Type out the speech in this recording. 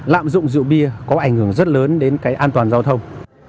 lạm dụng rượu bia có ảnh hưởng rất lớn đến cái an toàn giao thông